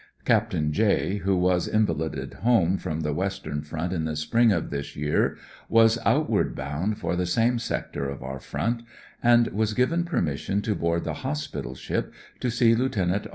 Captain J , who was in valided home from the western front in the spring of this year, was outward bound for the same sector of our front, and was given permission to board the hospital ship to meet Lieut.